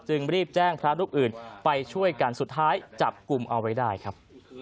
รีบแจ้งพระรูปอื่นไปช่วยกันสุดท้ายจับกลุ่มเอาไว้ได้ครับ